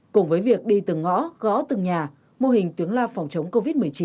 cùng với việc đi từng ngõ gõ từng nhà mô hình tuyến loa phòng chống covid một mươi chín